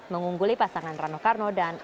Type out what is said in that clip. mengungguli pasangan rano karno dan